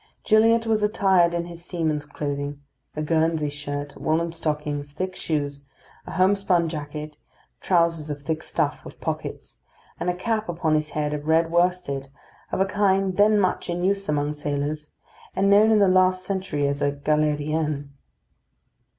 Gilliatt was attired in his seaman's clothing: a Guernsey shirt, woollen stockings, thick shoes, a homespun jacket, trousers of thick stuff, with pockets, and a cap upon his head of red worsted, of a kind then much in use among sailors, and known in the last century as a galérienne.